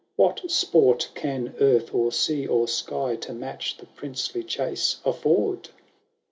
What sport can earth, or sea, or sky, To match the princely chase afford